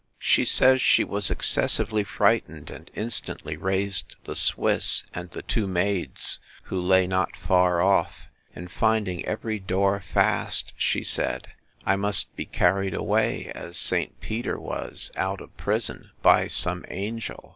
She says she was excessively frightened; and instantly raised the Swiss, and the two maids, who lay not far off; and finding every door fast, she said, I must be carried away, as St. Peter was out of prison, by some angel.